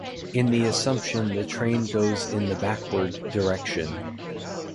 In the assumption the train goes in the backward direction.